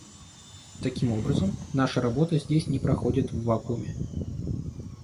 Таким образом, наша работа здесь не проходит в вакууме.